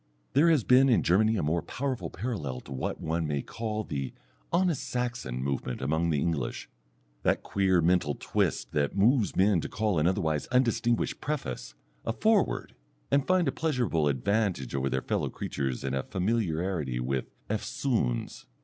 There has been in Germany a more powerful parallel to what one may call the "honest Saxon" movement among the English, that queer mental twist that moves men to call an otherwise undistinguished preface a "Foreword," and find a pleasurable advantage over their fellow creatures in a familiarity with "eftsoons."